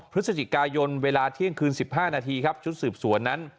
พฤศจิกายนเวลาเที่ยงคืน๑๕นาทีครับชุดสืบสวนนั้น